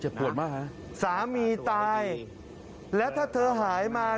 ปวดมากฮะสามีตายแล้วถ้าเธอหายมา